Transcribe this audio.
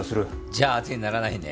じゃあ当てにならないね。